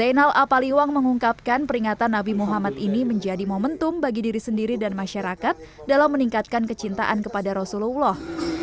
zainal apaliwang mengungkapkan peringatan nabi muhammad ini menjadi momentum bagi diri sendiri dan masyarakat dalam meningkatkan kecintaan kepada rasulullah